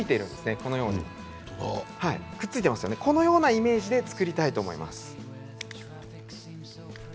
このようにこんなイメージで作りたいと思います。